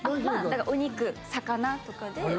お肉、魚とかで。